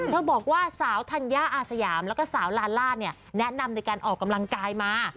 บอกว่าสาวธัญญาอาสยามแล้วก็สาวลาล่าเนี่ยแนะนำในการออกกำลังกายมา